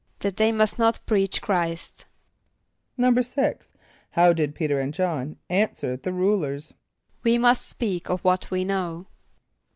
=That they must not preach Chr[=i]st.= =6.= How did P[=e]´t[~e]r and J[)o]hn answer the rulers? ="We must speak of what we know."